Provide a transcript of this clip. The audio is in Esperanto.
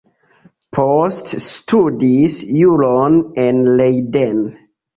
Poste studis juron en Leiden.